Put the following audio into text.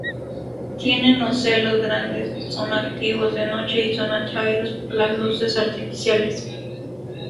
Tienen ocelos grandes, son activos de noche y son atraídos por las luces artificiales.